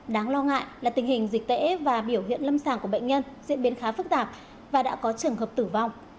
đáng lo ngại là tình hình dịch tễ và biểu hiện lâm sàng của bệnh nhân diễn biến khá phức tạp và đã có trường hợp tử vong